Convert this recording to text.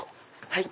はい。